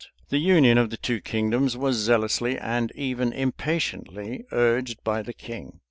The union of the two kingdoms was zealously, and even impatiently, urged by the king.